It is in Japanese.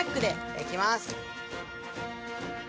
いきます。